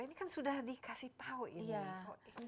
ini kan sudah dikasih tahu ini